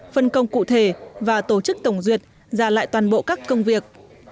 phân công cụ thể và tổ chức tổng duyệt giả lại toàn bộ các công việc